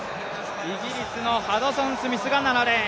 イギリスのハドソンスミスが７レーン。